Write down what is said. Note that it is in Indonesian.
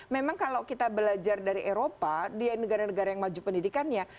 memang kalau kita belajar dari eropa di negara negara yang maju pendidikannya